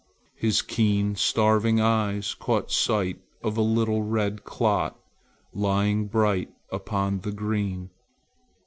His keen starving eyes caught sight of a little red clot lying bright upon the green.